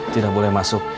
tidak boleh masuk